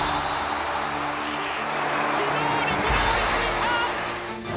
機動力で追いついた！